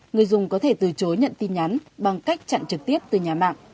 người dùng có thể từ chối nhận tin nhắn bằng cách chặn trực tiếp từ nhà mạng